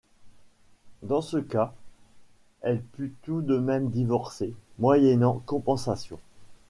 Dans ce cas, elle peut tout de même divorcer, moyennant compensation.